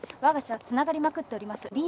わが社はつながりまくっております。